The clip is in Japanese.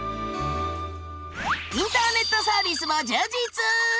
インターネットサービスも充実！